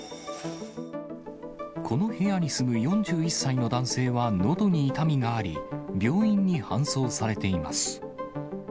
この部屋に住む４１歳の男性はのどに痛みがあり、病院に搬送されています。